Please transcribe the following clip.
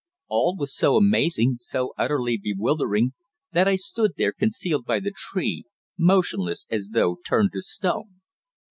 All was so amazing, so utterly bewildering, that I stood there concealed by the tree, motionless as though turned to stone.